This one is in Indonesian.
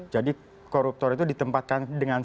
jadi koruptor itu ditempatkan dengan